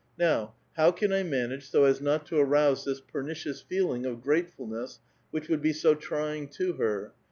Now, how can I manage so as not to arouse this pernicious feeling of gratefulness which would be so trying to her?